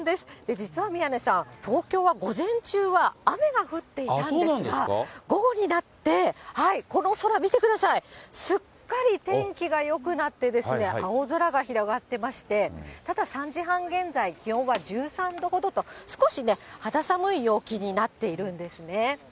実は宮根さん、東京は午前中は雨が降っていたんですが、午後になって、この空見てください、すっかり天気がよくなって、青空が広がってまして、ただ、３時半現在、気温は１３度ほどと、少しね、肌寒い陽気になっているんですね。